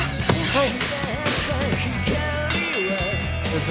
はい！